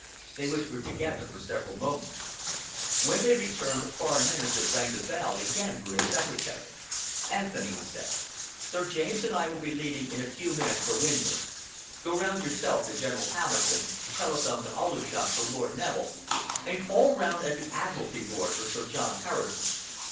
They whispered together for several moments. When they returned, the Foreign Minister rang the bell again for his secretary. "Anthony," he said, "Sir James and I will be leaving in a few minutes for Windsor. Go round yourself to General Hamilton, telephone to Aldershot for Lord Neville, and call round at the Admiralty Board for Sir John Harrison.